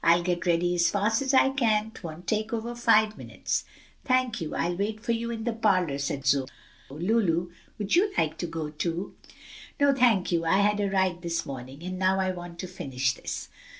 "I'll get ready as fast as I can; 'twon't take over five minutes." "Thank you. I'll wait for you in the parlor," said Zoe, "Lulu, would you like to go, too?" "No, thank you, I had a ride this morning, and now I want to finish this."